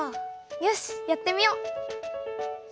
よしやってみよう！